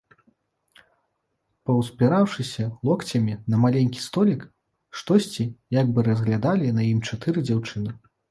Паўспіраўшыся локцямі на маленькі столік, штосьці як бы разглядалі на ім чатыры дзяўчыны.